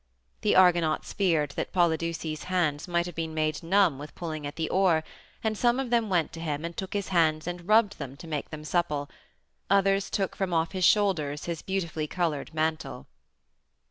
The Argonauts feared that Polydeuces' hands might have been made numb with pulling at the oar, and some of them went to him, and took his hands and rubbed them to make them supple; others took from off his shoulders his beautifully colored mantle.